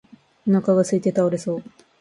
お腹がすいて倒れそう